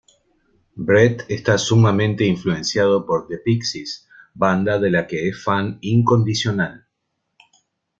Brett está sumamente influenciado por The Pixies, banda de la que es fan incondicional.